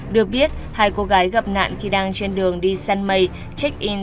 được biết hai cô gái gặp nạn khi đang trên đường đi săn mây check in